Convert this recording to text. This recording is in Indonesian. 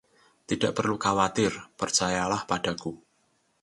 Tidak perlu khawatir, percayalah padaku.